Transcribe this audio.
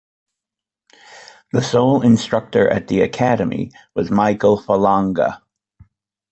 The sole instructor at the academy was Michael Falanga.